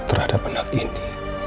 terhadap anak ini